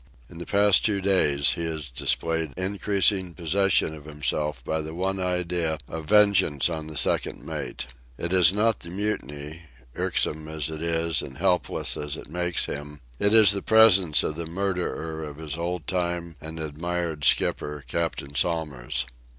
In the past two days he has displayed increasing possession of himself by the one idea of vengeance on the second mate. It is not the mutiny, irksome as it is and helpless as it makes him; it is the presence of the murderer of his old time and admired skipper, Captain Somers.